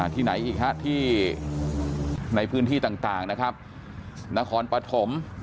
ที่ไหนอีกฮะที่ในพื้นที่ต่างนะครับ